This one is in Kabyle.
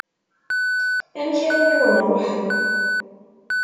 Amek armi i wen-ṛuḥen?